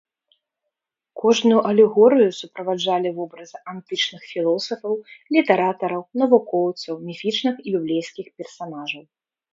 Кожную алегорыю суправаджалі вобразы антычных філосафаў, літаратараў, навукоўцаў, міфічных і біблейскіх персанажаў.